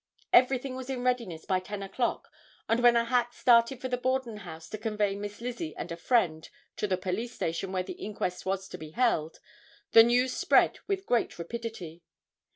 Everything was in readiness by 10 o'clock and when a hack started for the Borden house to convey Miss Lizzie and a friend to the police station where the inquest was to be held, the news spread with great rapidity.